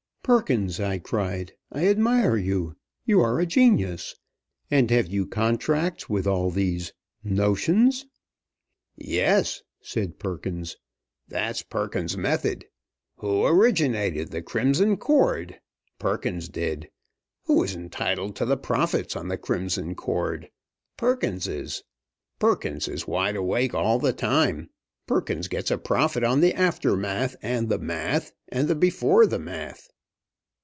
"Perkins!" I cried, "I admire you. You are a genius! And have you contracts with all these: notions?" "Yes," said Perkins, "that's Perkins's method. Who originated the Crimson Cord? Perkins did. Who is entitled to the profits on the Crimson Cord? Perkins is. Perkins is wide awake all the time. Perkins gets a profit on the aftermath and the math and the before the math."